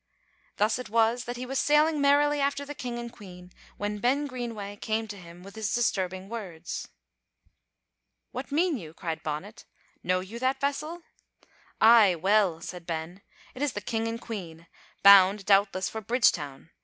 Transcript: Thus it was, that he was sailing merrily after the King and Queen, when Ben Greenway came to him with his disturbing words. "What mean you?" cried Bonnet. "Know you that vessel?" "Ay, weel," said Ben, "it is the King and Queen, bound, doubtless, for Bridgetown.